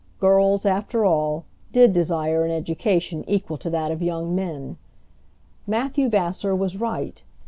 Girls, after all, did desire an education equal to that of young men. Matthew Vassar was right.